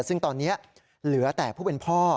ซึ่งตอนนี้เหลือแต่ผู้เป็นพ่อ